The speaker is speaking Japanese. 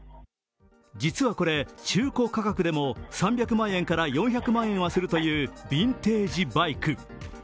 実はこれ、中古価格でも３００万円から４００万円はするというビンテージバイク。